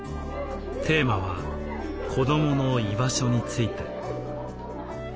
テーマは「子どもの居場所」について。